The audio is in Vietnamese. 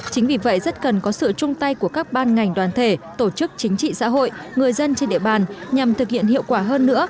chính vì vậy rất cần có sự chung tay của các ban ngành đoàn thể tổ chức chính trị xã hội người dân trên địa bàn nhằm thực hiện hiệu quả hơn nữa